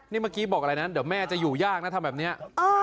นี่เมื่อกี้บอกอะไรนะเดี๋ยวแม่จะอยู่ยากนะทำแบบนี้